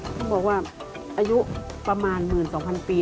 เขาบอกว่าอายุประมาณ๑๒๐๐ปี